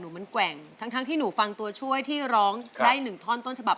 มีแฟนหลังถึงนั่งกินนอนกินแถมยังได้บินไปอเมริกา